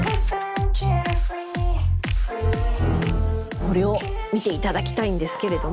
これを見て頂きたいんですけれども。